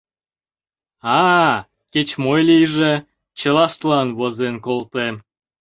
А-а, кеч-мо лийже, чылаштлан возен колтем.